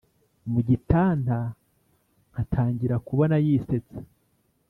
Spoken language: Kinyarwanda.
Mugitanda nkatangira kubona yisetsa